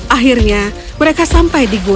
akhirnya mereka sampai di gua